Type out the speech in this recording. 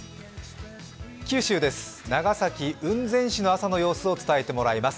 九州です、長崎・雲仙市の朝の様子を伝えてもらいます。